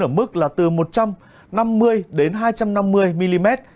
ở mức là từ một trăm năm mươi đến hai trăm năm mươi mm